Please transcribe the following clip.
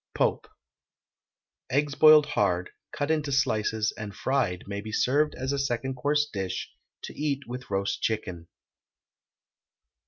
POPE. Eggs boiled hard, cut into slices, and fried, may be served as a second course dish, to eat with roast chicken.